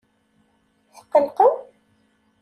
Tqelqem?